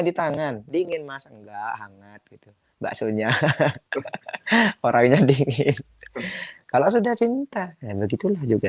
di tangan dingin masa enggak hangat itu bakso nya orangnya dingin kalau sudah cinta yang begitu juga